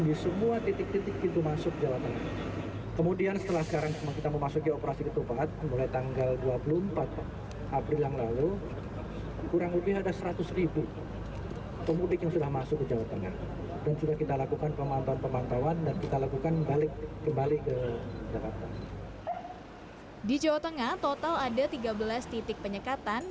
di jawa tengah total ada tiga belas titik penyekatan